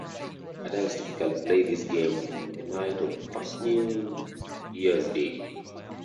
Adults typically play this game on the night of the first New Year's Day.